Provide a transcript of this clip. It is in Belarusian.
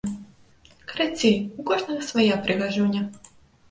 Карацей, у кожнага свая прыгажуня!